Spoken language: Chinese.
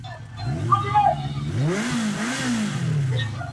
塞拉利昂总统以经修改的两轮投票制选出。